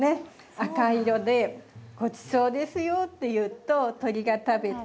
赤い色で「ごちそうですよ」っていうと鳥が食べて。